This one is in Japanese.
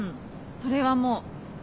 それはもう。